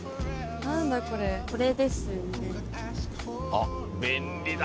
あっ便利だな。